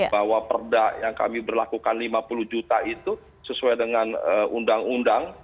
bahwa perda yang kami berlakukan lima puluh juta itu sesuai dengan undang undang